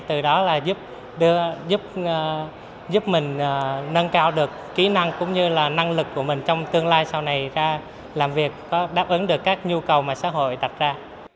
từ đó là giúp mình nâng cao được kỹ năng cũng như là năng lực của mình trong tương lai sau này ra làm việc có đáp ứng được các nhu cầu mà xã hội đặt ra